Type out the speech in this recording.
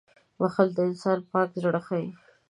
• بښل د انسان پاک زړه ښيي.